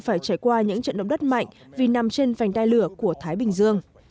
phải trải qua những trận động đất mạnh vì nằm trên vành đai lửa của thái bình dương